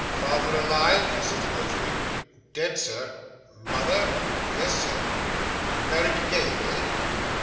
'Father alive?' said the Notary. 'Dead, sir.' 'Mother?' 'Yes, sir.' 'Married again eh?